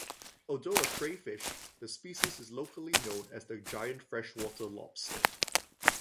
Although a crayfish, the species is locally known as the giant freshwater lobster.